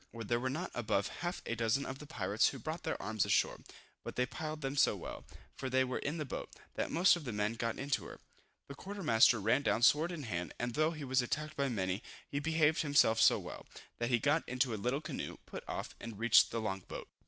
There were not above half a dozen of the pirates who brought their arms ashore, but they plied them so well, for they were in the boat, that most of the men got into her. The quarter master ran down sword in hand, and though he was attacked by many, he behaved himself so well, that he got into a little canoe, put off, and reached the long boat.